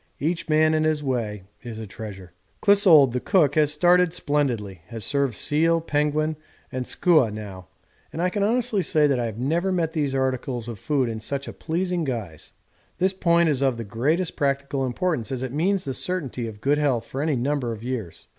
Each man in his way is a treasure. Clissold the cook has started splendidly, has served seal, penguin, and skua now, and I can honestly say that I have never met these articles of food in such a pleasing guise; 'this point is of the greatest practical importance, as it means the certainty of good health for any number of years.'